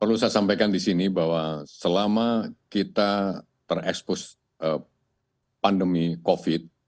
perlu saya sampaikan di sini bahwa selama kita terekspos pandemi covid